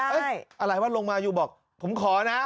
อะไรวะลงมาอยู่บอกผมขอนะ